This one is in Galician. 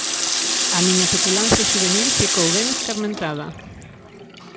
A miña petulancia xuvenil ficou ben escarmentada.